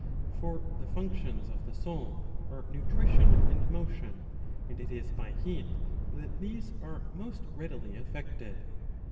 For the functions of the soul are nutrition and motion, and it is by heat that these are most readily effected.